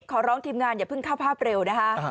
ขอร้องทีมงานอย่าเพิ่งเข้าภาพเร็วนะคะ